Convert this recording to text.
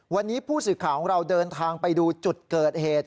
วันนี้ผู้สื่อข่าวของเราเดินทางไปดูจุดเกิดเหตุ